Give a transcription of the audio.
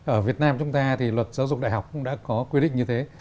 ở việt nam chúng ta thì luật giáo dục đại học cũng đã có quy định như thế